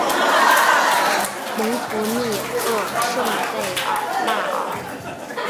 蒙图利厄圣贝尔纳尔。